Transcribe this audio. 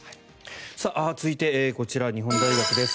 続いて、こちら日本大学です。